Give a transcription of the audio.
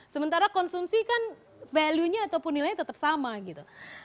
sementara konsumsi kan value nya ataupun nilainya tetap sama gitu